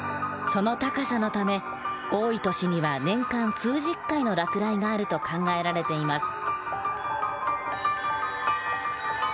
その高さのため多い年には年間数十回の落雷があると考えられています。